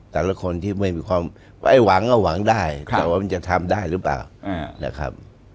แต่ละคนที่ไม่มีความไอ้หวังก็หวังได้แต่ว่ามันจะทำได้หรือเปล่านะครับ